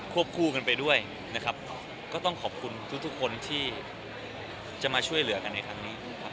คู่กันไปด้วยนะครับก็ต้องขอบคุณทุกคนที่จะมาช่วยเหลือกันในครั้งนี้ครับ